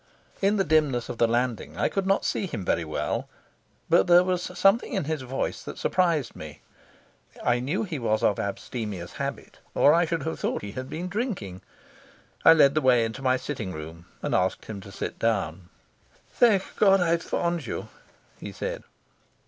In the dimness of the landing I could not see him very well, but there was something in his voice that surprised me. I knew he was of abstemious habit or I should have thought he had been drinking. I led the way into my sitting room and asked him to sit down. "Thank God I've found you," he said.